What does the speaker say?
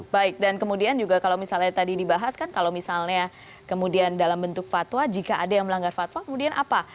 baik dan kemudian juga kalau misalnya tadi dibahas kan kalau misalnya kemudian dalam bentuk fatwa jika ada yang melanggar fatwa kemudian apa